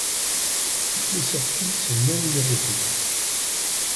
Toutes les sorties sont non-numérotées.